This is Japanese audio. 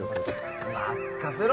任せろ！